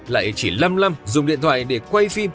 lại chỉ lăm lăm dùng điện thoại để quay phim